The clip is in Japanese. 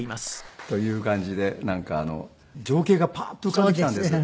という感じでなんか情景がパーッと浮かんできたんです。